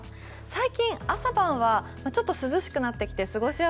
最近、朝晩は少し涼しくなってきて。